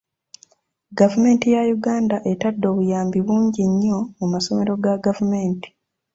Gavumenti ya Uganda etadde obuyambi bungi nnyo mu masomero ga gavumenti.